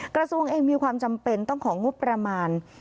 กระทรวงเองมีความจำเป็นต้องของงบประมาณ